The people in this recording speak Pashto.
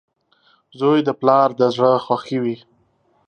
• زوی د پلار د زړۀ خوښي وي.